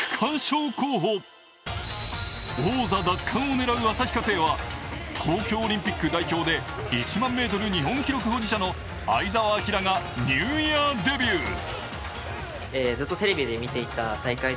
王座奪還を狙う旭化成は東京オリンピック代表で１００００ｍ日本記録保持者の相澤晃がニューイヤーデビュー。